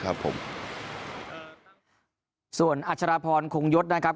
ครับผมส่วนอาจารย์พรนธ์โค้งยตนะครับ